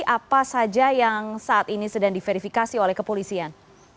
apa saja yang saat ini sedang diverifikasi oleh kepolisian